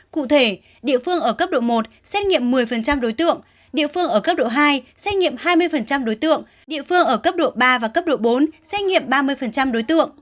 cụ thể địa phương ở cấp độ một xét nghiệm một mươi đối tượng địa phương ở cấp độ hai xét nghiệm hai mươi đối tượng địa phương ở cấp độ ba và cấp độ bốn xét nghiệm ba mươi đối tượng